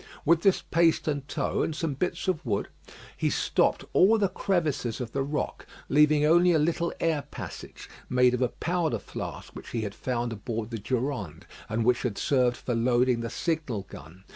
With this paste and tow, and some bits of wood, he stopped all the crevices of the rock, leaving only a little air passage made of a powder flask which he had found aboard the Durande, and which had served for loading the signal gun.